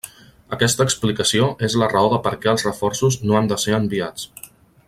Aquesta explicació és la raó de per què els reforços no han de ser enviats.